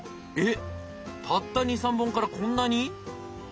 えったった２３本からこんなに？